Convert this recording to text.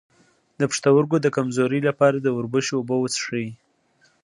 د پښتورګو د کمزوری لپاره د وربشو اوبه وڅښئ